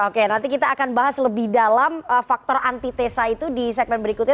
oke nanti kita akan bahas lebih dalam faktor antitesa itu di segmen berikutnya